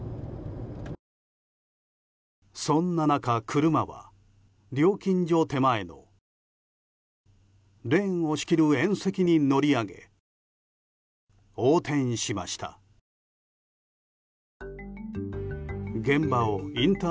そんな中、車は料金所手前のレーンを仕切る縁石に乗り上げ横転しました。